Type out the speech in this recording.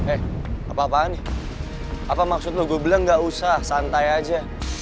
eh apa apaan nih apa maksudnya gue bilang gak usah santai aja